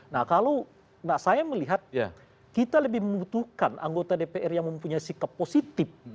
nah kalau saya melihat kita lebih membutuhkan anggota dpr yang mempunyai sikap positif